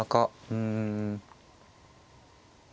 うん。